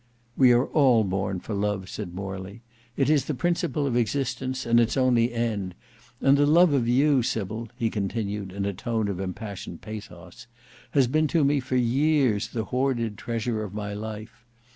"We are all born for love," said Morley. "It is the principle of existence, and its only end. And love of you, Sybil," he continued, in a tone of impassioned pathos, "has been to me for years the hoarded treasure of my life.